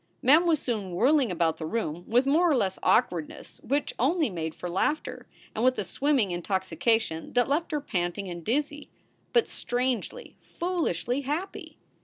Mem was soon whirling about the room, with more or less awkwardness which only made for laughter, and with a swim ming intoxication that left her panting and dizzy, but strangely, foolishly happy.